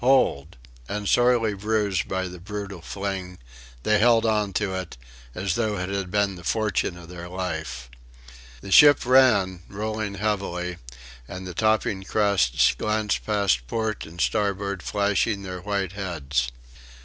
Hold!" And sorely bruised by the brutal fling, they held on to it, as though it had been the fortune of their life. The ship ran, rolling heavily, and the topping crests glanced past port and starboard flashing their white heads.